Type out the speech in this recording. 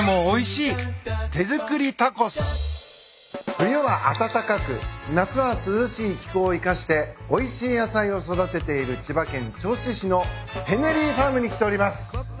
冬は暖かく夏は涼しい気候を生かしておいしい野菜を育てている千葉県銚子市のＨｅｎｎｅｒｙＦａｒｍに来ております。